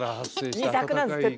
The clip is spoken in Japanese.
２択なんです哲太